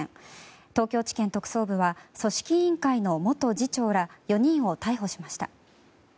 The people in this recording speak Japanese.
東京地検特捜部は組織委員会の元次長ら４人を逮捕しました。